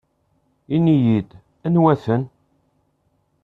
Ini-iyi-d anwa-tent.